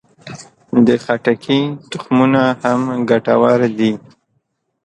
د خټکي تخمونه هم ګټور دي.